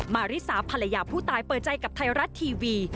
มาริสาภรรยาผู้ตายเปิดใจกับไทยรัฐทีวี